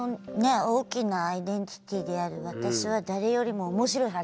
大きなアイデンティティーである私は誰よりも面白いはずだと。